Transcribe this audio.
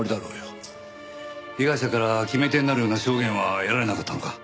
被害者から決め手になるような証言は得られなかったのか？